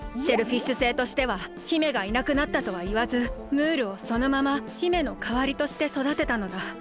シェルフィッシュ星としては姫がいなくなったとはいわずムールをそのまま姫のかわりとしてそだてたのだ。